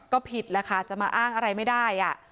ก็ผิดแหละค่ะจะมาอ้างอะไรไม่ได้